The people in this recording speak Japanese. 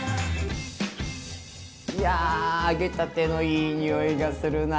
いや揚げたてのいい匂いがするな。